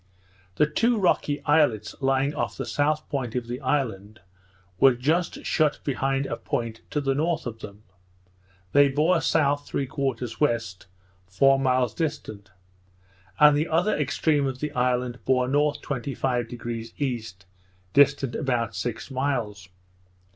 The two rocky islets lying off the south point of the island, were just shut behind a point to the north of them; they bore south 3/4 west, four miles distant; and the other extreme of the island bore north 25° E., distant about six miles.